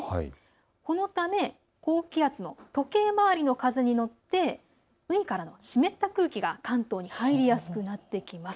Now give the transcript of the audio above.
このため高気圧、時計回りの風に乗って海から湿った空気が入りやすくなってきます。